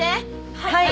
はい。